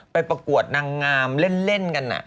ประกวดนางงามเล่นกัน